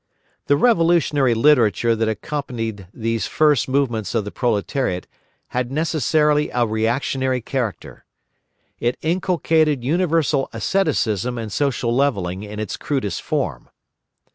The revolutionary literature that accompanied these first movements of the proletariat had necessarily a reactionary character. It inculcated universal asceticism and social levelling in its crudest form.